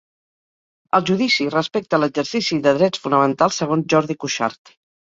El judici respecta l'exercici de drets fonamentals segons Jordi Cuixart